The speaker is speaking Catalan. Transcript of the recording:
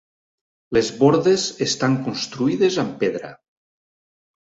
Les bordes estan construïdes amb pedra.